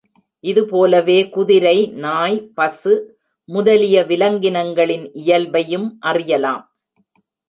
இது போலவே குதிரை, நாய், பசு முதலிய விலங்கினங்களின் இயல்பையும் அறியலாம்.